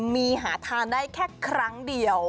มีหาทานได้แค่ครั้งเดียว